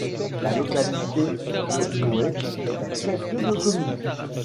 La localité de Noé est un chef-lieu de commune.